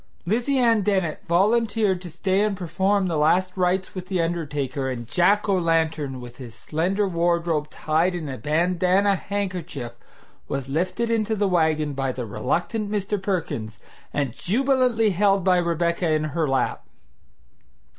Lizy Ann Dennett volunteered to stay and perform the last rites with the undertaker, and Jack o' lantern, with his slender wardrobe tied in a bandanna handkerchief, was lifted into the wagon by the reluctant Mr. Perkins, and jubilantly held by Rebecca in her lap.